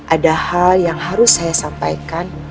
ada hal yang harus saya sampaikan